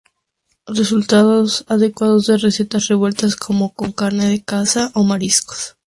Resulta adecuados en recetas revueltas, como con carne de caza o marisco.